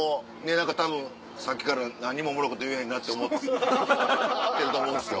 たぶんさっきから何もおもろいこと言えへんなって思ってると思うんですよ。